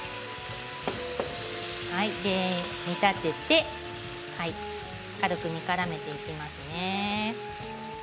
煮立てて軽く煮からめていきますね。